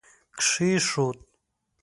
کښېښود